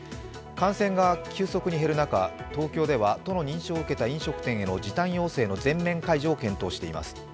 感染が急速に減る中、東京では都の認証を受けた飲食店での時短要請の全面解除を検討しています。